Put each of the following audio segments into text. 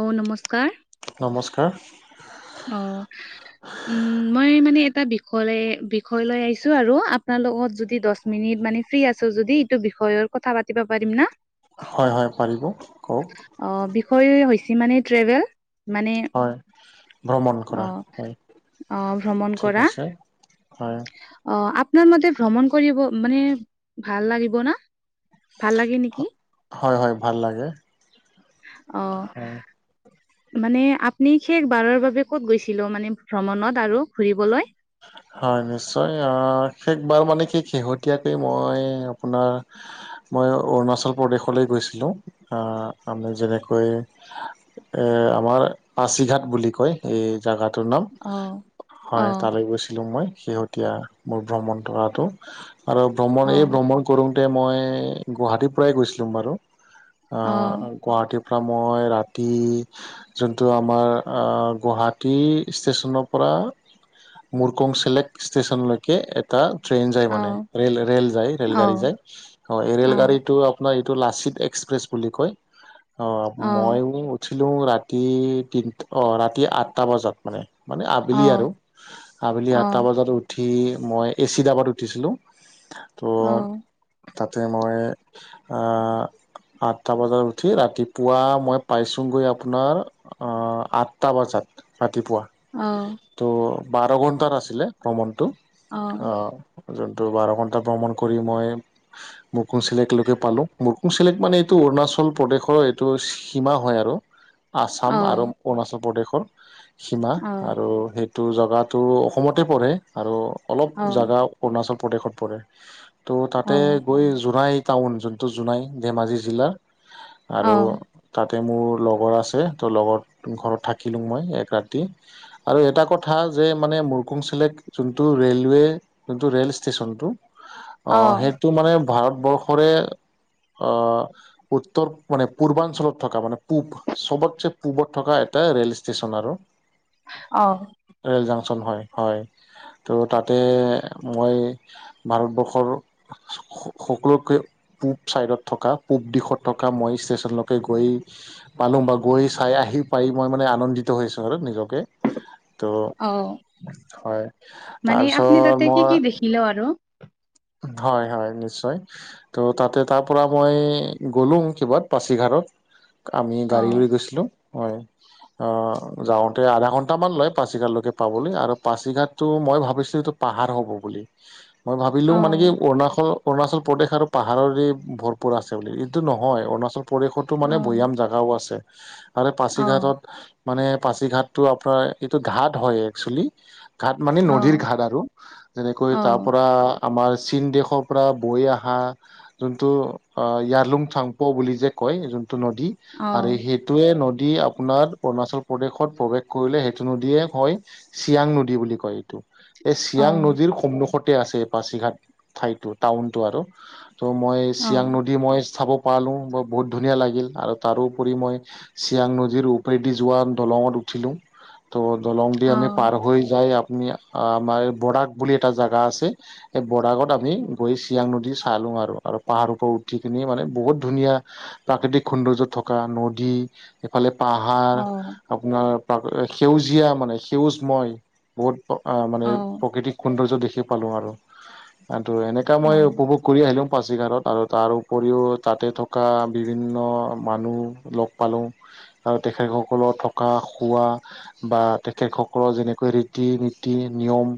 অ নমস্কাৰ। নমস্কাৰ। অ উম মই মানে এটা বিষয় বিষয় লৈ আহিছোঁ আৰু আপোনাৰ লগত যদি দছ মিনিট মানে ফ্ৰী আছোঁ যদি এইটো বিষয়ৰ কথা পাতিব পাৰিম না। হয় হয় পাৰিব কওক। অ বিষয় হৈছে মানে ট্ৰেভেল মানে হয় ভ্ৰমণ কৰা অ হয় অ ভ্ৰমণ ঠিক কৰা আছে হয় অ আপোনাৰ মতে ভ্ৰমণ কৰিব মানে ভাল লাগিব না ভাল লাগে নিকি? হয় হয় ভাল লাগে। অ। হয় মানে আপনি শেষ বাৰৰ বাবে ক'ত গৈছিলোঁ মানে ভ্ৰমণত আৰু ঘুৰিবলৈ? হয় নিশ্চয় অ শেষবাৰ মানে কি শেহতীয়াকে মই আপোনাৰ মই অৰুণাচল প্ৰদেশলৈ গৈছিলোঁ আ আমি যেনেকৈ এ আমাৰ পাচিঘাট বুলি কয় এই জাগাত তো নাম অ অ হয় তালৈ গৈছিলোঁ মই শেহতীয়া মোৰ ভ্ৰমণ কৰাটো। আৰু ভ্ৰমণ অ এই ভ্ৰমণ কৰোঁতে মই গুৱাহাটীৰ পৰাই গৈছিলোং বাৰু। আ অ গুৱাহাটীৰ পৰা মই ৰাতি যোনটো আমাৰ আ গুৱাহাটী ষ্টেছনৰ পৰা মোৰকং চিলেক্ট ষ্টেচনলৈকে এক এটা ট্ৰেইন যায় অ মানে ৰেল ৰেল যায় ৰেল অ অ গাড়ী যায় অ এই ৰেল গাড়ীটো আপ আপোনাৰ এইটো লাচিত এক্সপ্ৰেছ বুলি কয় অ মইয়ো উঠিলোং ৰাতি তিন অ ৰাতি আঠটা বজাত মানে মানে অ অ আবেলি আৰু আবেলি অ আঠটা বজাত উঠি মই এচি ডাবাত উঠিছিলোঁ ত' তাতে মই আ আঠটা বজাত উঠি ৰাতিপুৱা মই পাইছোঁগৈং আপোনাৰ অ আঠটা বজাত ৰাতিপুৱা অ ত' বাৰ ঘণ্টাৰ আছিলে ভ্ৰমণটো অ যোনটো বাৰ ঘণ্টা ভ্ৰমণ কৰি মই মোকো চিলেক্টলৈকে পালোঁ মোৰ কোং চিলেক্ট মানে এইটো অৰুণাচল প্ৰদেশৰ এইটো সীমা হয় আৰু আছাম আৰু অৰুণাচল প্ৰদেশৰ সীমা আৰু সেইটো জাগাটো অসমতে পৰে আৰু অলপ জাগা অৰুণাচল প্ৰদেশত পৰে ত' তাতে গৈ জোনাইত টাউন যোনটো জোনাই ধেমাজি জিলাৰ আৰু তাতে মোৰ লগৰ আছে ত লগৰ ঘৰত থাকিলো মই এক ৰাতি আৰু এটা কথা যে মানে মৰুকুং চেলেক্ট যোনটো ৰে'লৱে যোনটো ৰে'ল ষ্টেচনটো অঁ সেইটো মানে ভাৰতবৰ্ষৰে উত্তৰ মানে পূৰ্বাঞ্চলত থকা মানে পূব চবতকে পূৱত থকা এটা ৰেল ষ্টেচন আৰু অঁ ৰেল জংচন হয় হয় ত' তাতে মই ভাৰতবৰ্ষৰ। সকলোকে পূব ছাইডত থকা পূব দিশত থকা মই ষ্টেশচনলৈকে গৈ পালো বা গৈ চাই আহি পাই মই মানে আনন্দিত হৈছোঁ আৰু নিজকে ত' অঁ হয় মানে আপুনি তাৰপিছত তাতে কি মই কি দেখিলে আৰু? হয় হয় নিশ্চয়। ত' তাতে তাৰ পৰা মই গ'লো কিবা পাচিঘাতঁত আমি অ গাড়ী লৈ গৈছিলো হয় অঁ যাওঁতে আধা ঘন্ট মান লয় পাঁচিঘাতলৈকে, পাবলৈ আৰু পাছিঘাটটো মই ভাবিছিলোঁ এইটো পাহাৰ হ'ব বুলি। মই অ ভাবিলোঁ মানে কি অৰুণাচল। অৰুণাচল প্ৰদেশ আৰু পাহাৰৰৰে ভৰপূৰ আছে বুলি এইটো নহয় অৰুণাচল পৰিৱেশতো মানে অ ভৈয়াম জেগাও আছে আৰু অ পাছিঘাটত মানে পাছি ঘাটটো আপোনাৰ এইটো ঘাট হয় একচুৱেলি ঘাট মানে অ নদীৰ ঘাট আৰু যেনেকৈ অ অ তাৰ পৰা আমাৰ চীন দেশৰ পৰা বৈ অহা। যোনটো য়াৰলুং চাংপ বুলি যে কয় যোনটো নদী। অ আৰু সেইটোৱে নদী আপোনাৰ অৰুণাচল প্ৰদেশত প্ৰৱেশ কৰিলে সেইটো নদীয়ে হয়। চিয়াং নদী বুলি কয় এইটো এই চিয়াং নদীৰ সন্মুখত। আছে পাচিঘাট ঠাইতো টাউন তো আৰু টৌ মই অ অ অ চিৰাং নদী মই চাব পালোঁ ম বহুত ধুনীয়া লাগিল আৰু তাৰোপৰি মই চিয়াং নদীৰ ওপৰেদি যোৱা দলংত উঠিলো ত' দলং যদি আমি পাৰ হৈ যায় আপুনি আমাৰ বৰাক বুলি এটা জেগা আছে সেই বৰাগত আমি গৈ চিয়াং নদী চাই লোং আৰু আৰু পাহাৰৰ পৰা উঠি কিনি মানে বহুত ধুনীয়া প্ৰাকৃতিক সৌন্দৰ্য থকা নদী। এইফালে পাহাৰ আপোনাৰ সেউজীয়া মানে সেউজময় বহুত মানে প্ৰকৃতিক সৌন্দৰ্য দেখি পালোঁ আৰু ত এনে অ অ অ মই উপভোগ কৰি আহিলোঁ পাচিঘাৰত আৰু তাৰ উপৰিও তাতে থকা বিভিন্ন মানুহ লগ পালোঁ আৰু তেখেতসকলৰ থকা খোৱা বা তেখেতস সকলৰ যেনেকৈ ৰীতি নীতি নিয়ম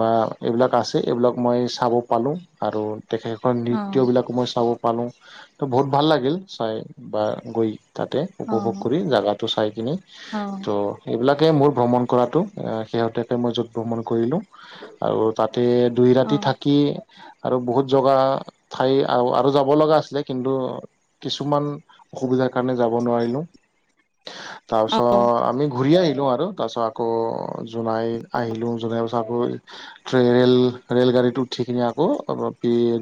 বা এইবিলাক আছে এইবিলাক মই চাব পালোঁ আৰু তেখেত আ নৃত্য বিলাকো মই চাব পালো ত বহুত ভাল লাগিল চাই বা গৈ তাতে অ অ উপভোগ কৰি জোগাটো চাই কিনি ত' এইবিলাকে মোৰ ভ্ৰমণ কৰাটো শেহতীয়াকৈ মই য'ত ভ্ৰমণ কৰিলোঁ আৰু তাতে দুই অ ৰাতি থাকি আৰু বহুত জগা ঠাই আৰু যাব লগা আছিলে কিন্তু। কিছুমান অসুবিধাৰ কাৰণে যাব নোৱাৰিলোঁ তাৰপিছত অ আমি ঘূৰি আহিলোঁ আৰু তাৰ পিছত আকৌ জোনাই আহিলোঁ জোনাই পছ আকৌ ৰেল ৰেল গাড়ীতো উঠি কিনে আকৌ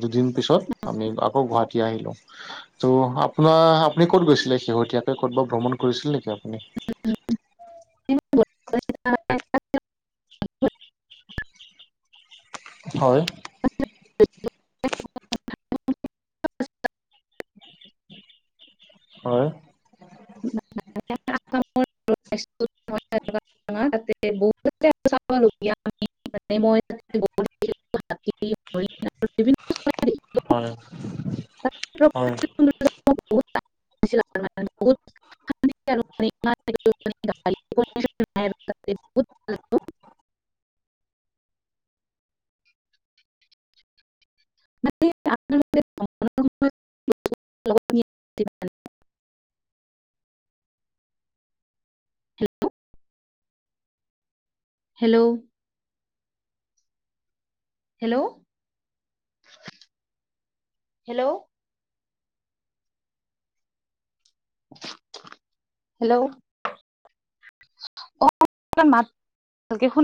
দুদিন তাৰপিছত আমি আকৌ গুৱাহাটী আহিলোঁ ত' আপোনাৰ আপুনি ক'ত গৈছিলে শেহতীয়াকে ক'ত বা ভ্ৰমণ কৰিছিল নেকি আপুনি হয় [inaudible] হয় [inaudible] ইয়াৰ ত মোৰ [inaudible] [unintelligible] [unintelligible] হয় [unintelligible] হয় [unintelligible] তাতে বহুত [unintelligible] [unintelligible] হেল্ল' হেল্ল' হেল্ল' হেল্ল' অ মাত ভালকে শুনা